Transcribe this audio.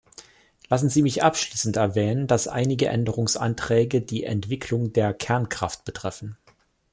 Lassen Sie mich abschließend erwähnen, dass einige Änderungsanträge die Entwicklung der Kernkraft betreffen.